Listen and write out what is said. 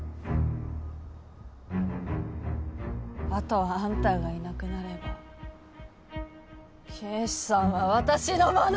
後はあんたがいなくなれば啓士さんは私のもの！